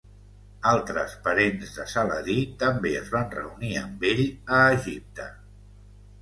Altres parents de Saladí també es van reunir amb ell a Egipte.